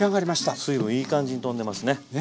水分いい感じにとんでますね。